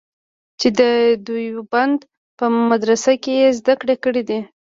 چې د دیوبند په مدرسه کې یې زده کړې کړې دي.